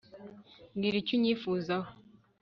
mbwira icyo unyifuzaho